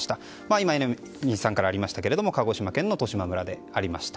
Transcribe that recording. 今、榎並さんからもありましたが鹿児島県の十島村でありました。